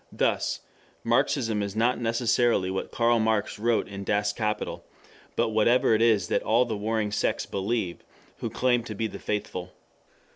Thus Marxism is not necessarily what Karl Marx wrote in Das Kapital, but whatever it is that all the warring sects believe, who claim to be the faithful.